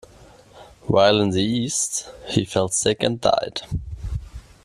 While in the east, he fell sick and died.